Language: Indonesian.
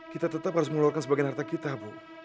kita tetap harus mengeluarkan sebagian harta kita bu